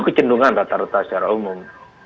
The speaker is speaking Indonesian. kecendungan rata rata secara umum